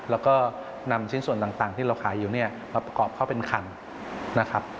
แล้วก็นำชิ้นส่วนต่างที่เราขายอยู่เนี่ยมาประกอบเข้าเป็นคันนะครับ